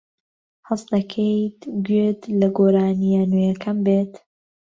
حەز دەکەیت گوێت لە گۆرانییە نوێیەکەم بێت؟